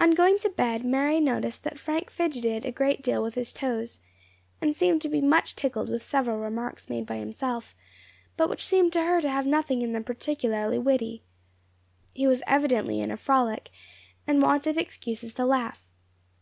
On going to bed Mary noticed that Frank fidgetted a great deal with his toes, and seemed to be much tickled with several remarks made by himself, but which seemed to her to have nothing in them particularly witty. He was evidently in a frolic, and wanted excuses to laugh.